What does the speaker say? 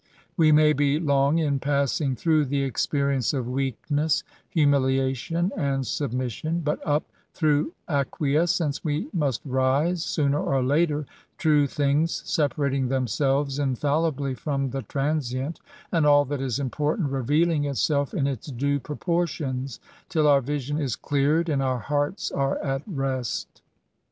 We may be long in passing through the expe rience of weakness^ humiliation and submission ; but up^ through acquiescence^ we must rise, sooner or later, — ^true things separating them selyes infallibly from the transient, and all that is important revealing itself in its due proportions, till our vision is cleared and our hearts are at rest.